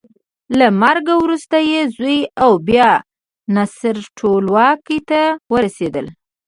له مرګه وروسته یې زوی او بیا نصر ټولواکۍ ته ورسېدل.